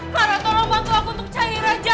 clara tolong bantu aku untuk cari raja